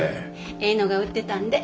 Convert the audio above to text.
ええのが売ってたんで。